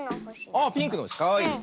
あっピンクのほしかわいいね。